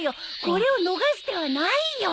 これを逃す手はないよ！